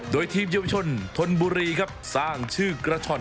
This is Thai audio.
โดยทีมเยาวชนธนบุรีครับสร้างชื่อกระช่อน